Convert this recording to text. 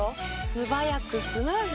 素早くスムーズ。